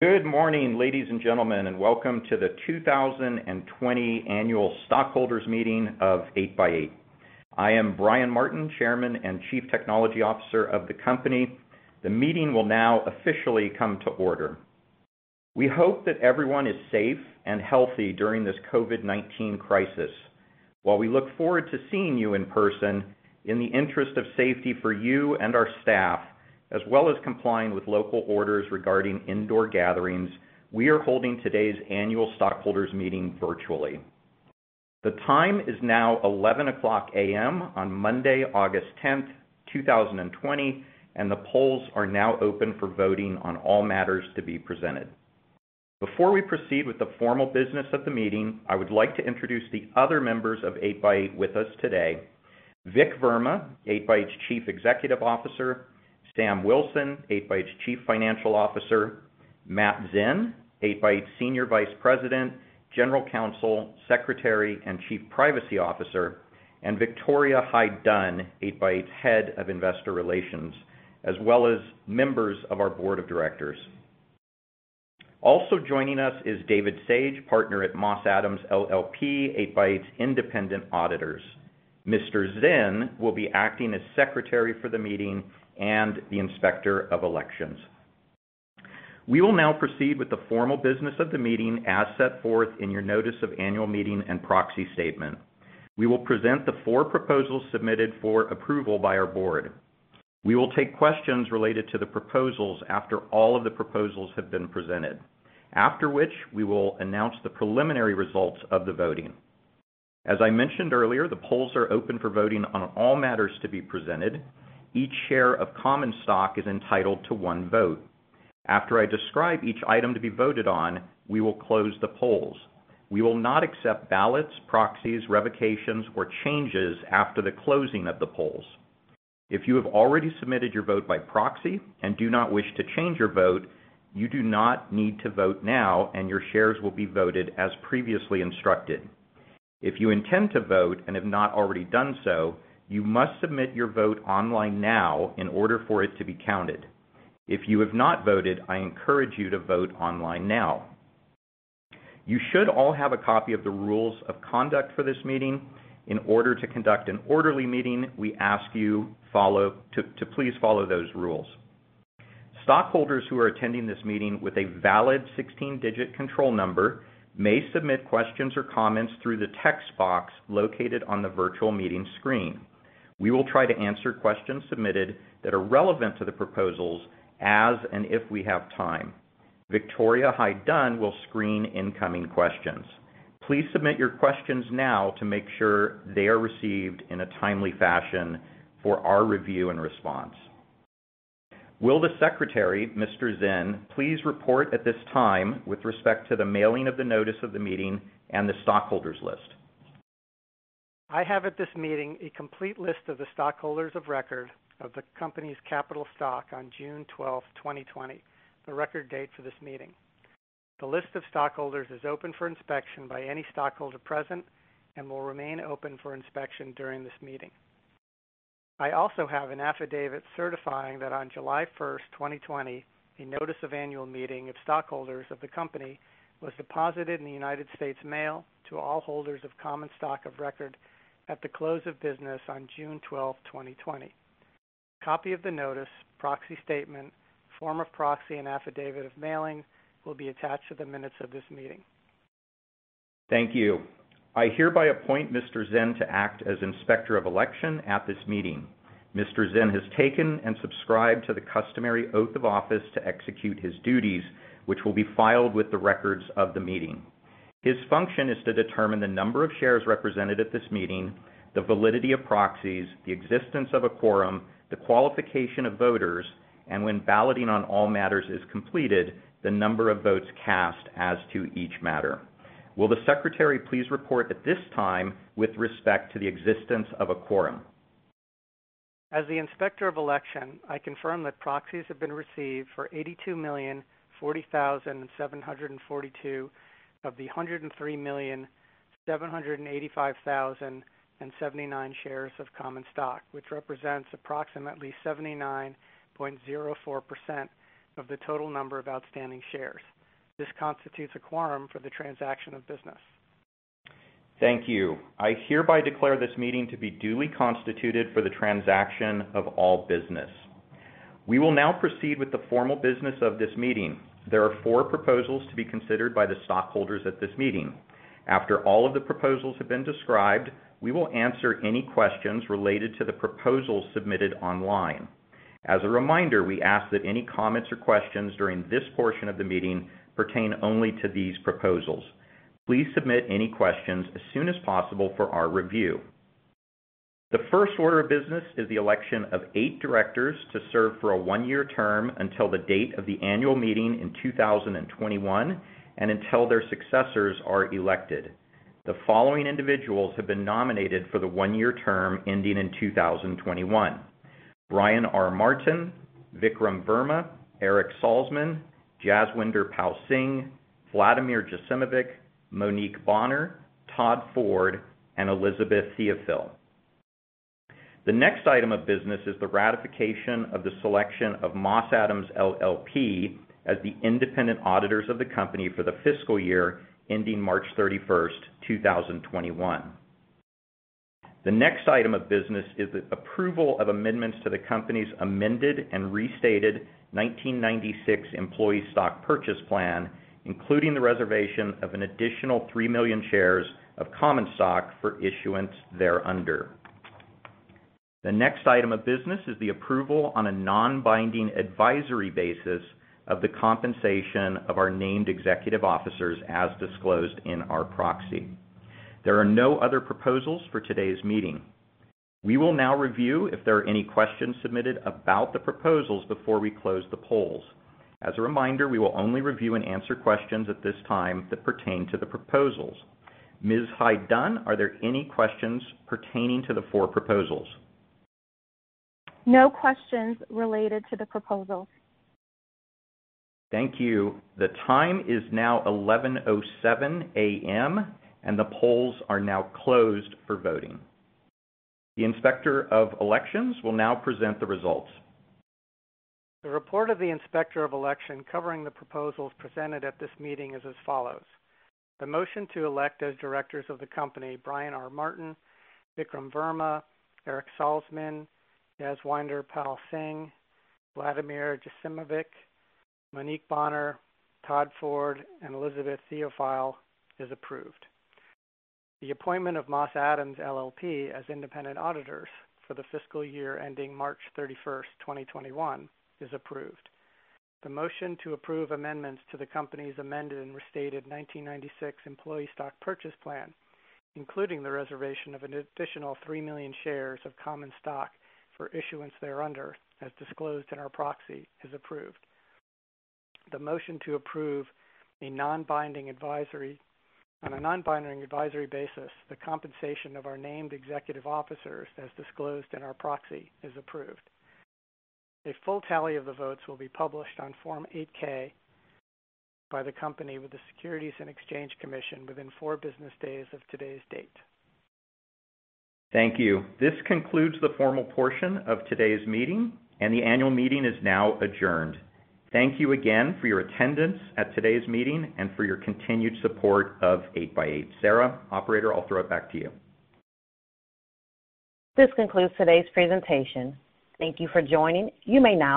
Good morning, ladies and gentlemen, welcome to the 2020 annual stockholders meeting of 8x8. I am Bryan Martin, Chairman and Chief Technology Officer of the company. The meeting will now officially come to order. We hope that everyone is safe and healthy during this COVID-19 crisis. While we look forward to seeing you in person, in the interest of safety for you and our staff, as well as complying with local orders regarding indoor gatherings, we are holding today's annual stockholders meeting virtually. The time is now 11:00 A.M. on Monday, August 10th, 2020, the polls are now open for voting on all matters to be presented. Before we proceed with the formal business of the meeting, I would like to introduce the other members of 8x8 with us today. Vik Verma, 8x8's Chief Executive Officer, Sam Wilson, 8x8's Chief Financial Officer, Matt Zinn, 8x8's Senior Vice President, General Counsel, Secretary, and Chief Privacy Officer, and Victoria Hyde-Dunn, 8x8's Head of Investor Relations, as well as members of our board of directors. Also joining us is David Sage, Partner at Moss Adams LLP, 8x8's independent auditors. Mr. Zinn will be acting as Secretary for the meeting and the Inspector of Elections. We will now proceed with the formal business of the meeting as set forth in your notice of annual meeting and proxy statement. We will present the four proposals submitted for approval by our board. We will take questions related to the proposals after all of the proposals have been presented, after which we will announce the preliminary results of the voting. As I mentioned earlier, the polls are open for voting on all matters to be presented. Each share of common stock is entitled to one vote. After I describe each item to be voted on, we will close the polls. We will not accept ballots, proxies, revocations, or changes after the closing of the polls. If you have already submitted your vote by proxy and do not wish to change your vote, you do not need to vote now, and your shares will be voted as previously instructed. If you intend to vote and have not already done so, you must submit your vote online now in order for it to be counted. If you have not voted, I encourage you to vote online now. You should all have a copy of the rules of conduct for this meeting. In order to conduct an orderly meeting, we ask you to please follow those rules. Stockholders who are attending this meeting with a valid 16-digit control number may submit questions or comments through the text box located on the virtual meeting screen. We will try to answer questions submitted that are relevant to the proposals as and if we have time. Victoria Hyde-Dunn will screen incoming questions. Please submit your questions now to make sure they are received in a timely fashion for our review and response. Will the Secretary, Mr. Zinn, please report at this time with respect to the mailing of the notice of the meeting and the stockholders list? I have at this meeting a complete list of the stockholders of record of the company's capital stock on June 12th, 2020, the record date for this meeting. The list of stockholders is open for inspection by any stockholder present and will remain open for inspection during this meeting. I also have an affidavit certifying that on July 1st, 2020, a notice of annual meeting of stockholders of the company was deposited in the United States Mail to all holders of common stock of record at the close of business on June 12th, 2020. Copy of the notice, proxy statement, form of proxy, and affidavit of mailing will be attached to the minutes of this meeting. Thank you. I hereby appoint Mr. Zinn to act as Inspector of Election at this meeting. Mr. Zinn has taken and subscribed to the customary oath of office to execute his duties, which will be filed with the records of the meeting. His function is to determine the number of shares represented at this meeting, the validity of proxies, the existence of a quorum, the qualification of voters, and when balloting on all matters is completed, the number of votes cast as to each matter. Will the secretary please report at this time with respect to the existence of a quorum? As the Inspector of Election, I confirm that proxies have been received for 82,040,742 of the 103,785,079 shares of common stock, which represents approximately 79.04% of the total number of outstanding shares. This constitutes a quorum for the transaction of business. Thank you. I hereby declare this meeting to be duly constituted for the transaction of all business. We will now proceed with the formal business of this meeting. There are four proposals to be considered by the stockholders at this meeting. After all of the proposals have been described, we will answer any questions related to the proposals submitted online. As a reminder, we ask that any comments or questions during this portion of the meeting pertain only to these proposals. Please submit any questions as soon as possible for our review. The first order of business is the election of eight directors to serve for a one-year term until the date of the annual meeting in 2021 and until their successors are elected. The following individuals have been nominated for the one-year term ending in 2021: Bryan R. Martin, Vikram Verma, Eric Salzman, Jaswinder Pal Singh, Vladimir Jacimovic, Monique Bonner, Todd Ford, and Elizabeth Theophille. The next item of business is the ratification of the selection of Moss Adams LLP as the independent auditors of the company for the fiscal year ending March 31st, 2021. The next item of business is the approval of amendments to the company's amended and restated 1996 employee stock purchase plan, including the reservation of an additional three million shares of common stock for issuance thereunder. The next item of business is the approval on a non-binding advisory basis of the compensation of our named executive officers as disclosed in our proxy. There are no other proposals for today's meeting. We will now review if there are any questions submitted about the proposals before we close the polls. As a reminder, we will only review and answer questions at this time that pertain to the proposals. Ms. Hyde-Dunn, are there any questions pertaining to the four proposals? No questions related to the proposals. Thank you. The time is now 11:07 A.M. The polls are now closed for voting. The Inspector of Elections will now present the results. The report of the Inspector of Election covering the proposals presented at this meeting is as follows. The motion to elect as directors of the company Bryan R. Martin, Vikram Verma, Eric Salzman, Jaswinder Pal Singh, Vladimir Jacimovic, Monique Bonner, Todd Ford, and Elizabeth Theophille is approved. The appointment of Moss Adams LLP as independent auditors for the fiscal year ending March 31, 2021 is approved. The motion to approve amendments to the company's amended and restated 1996 employee stock purchase plan, including the reservation of an additional three million shares of common stock for issuance thereunder as disclosed in our proxy, is approved. The motion to approve on a non-binding advisory basis the compensation of our named executive officers as disclosed in our proxy is approved. A full tally of the votes will be published on Form 8-K by the company with the Securities and Exchange Commission within four business days of today's date. Thank you. This concludes the formal portion of today's meeting, and the annual meeting is now adjourned. Thank you again for your attendance at today's meeting and for your continued support of 8x8. Sarah, operator, I'll throw it back to you. This concludes today's presentation. Thank you for joining. You may now disconnect.